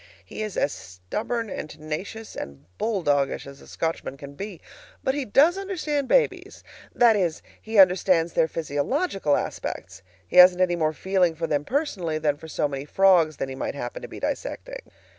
He is as stubborn and tenacious and bull doggish as a Scotchman can be, but he does understand babies; that is, he understands their physiological aspects. He hasn't any more feeling for them personally than for so many frogs that he might happen to be dissecting.